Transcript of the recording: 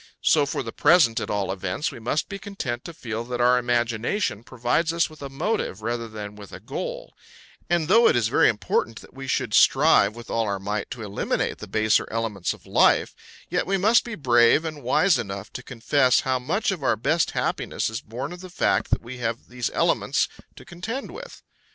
So, for the present at all events, we must be content to feel that our imagination provides us with a motive rather than with a goal; and though it is very important that we should strive with all our might to eliminate the baser elements of life, yet we must be brave and wise enough to confess how much of our best happiness is born of the fact that we have these elements to contend with.